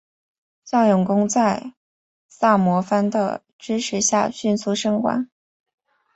向永功在萨摩藩的支持下迅速升官。